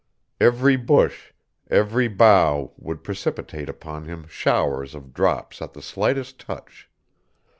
Every bush, every bough, would precipitate upon him showers of drops at the slightest touch.